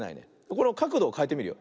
このかくどをかえてみるよ。